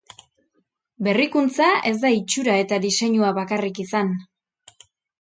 Berrikuntza ez da itxura eta diseinua bakarrik izan.